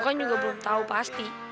gue kan juga belum tau pasti